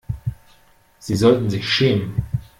Sie sollten sich schämen!